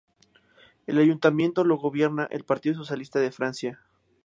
El Ayuntamiento lo gobierna el Partido Socialista de Francia.